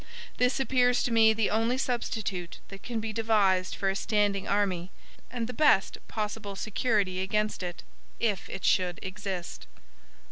This appears to me the only substitute that can be devised for a standing army, and the best possible security against it, if it should exist."